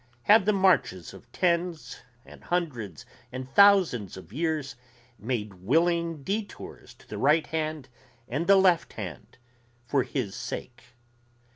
Have the marches of tens and hundreds and thousands of years made willing detours to the right hand and the left hand for his sake?